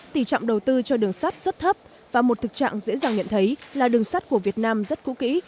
tỷ trọng đầu tư cho đường sắt rất thấp và một thực trạng dễ dàng nhận thấy là đường sắt của việt nam rất cũ kỹ